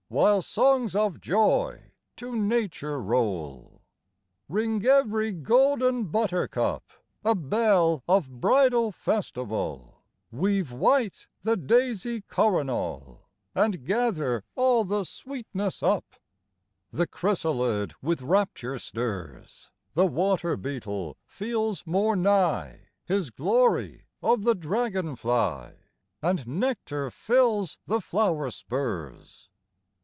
While songs of joy to Nature roll ! 27 EASTER CAROLS Ring every golden buttercup, A bell of bridal festival; Weave white the daisy coronal, An d gather all the sweetness up. in. The chrysalid with rapture stirs : TH The water beetle feels more mgh His lory of the dragon fly, And nectar fills the flower spurs.